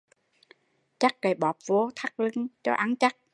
Chắt cái bóp vô chắc lưng cho ăn chắc